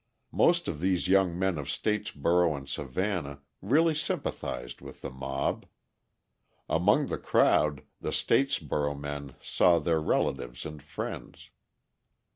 Most of these young men of Statesboro and Savannah really sympathised with the mob; among the crowd the Statesboro men saw their relatives and friends.